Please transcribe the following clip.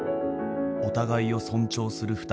お互いを尊重する